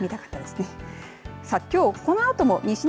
見たかったですね。